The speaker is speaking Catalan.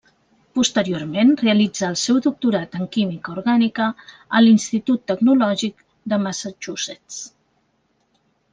Posteriorment realitzà el seu doctorat en química orgànica a l'Institut Tecnològic de Massachusetts.